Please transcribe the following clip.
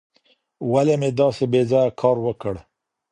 ولي مې داسې بې ځایه کار وکړ؟